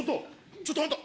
ちょっとあんた！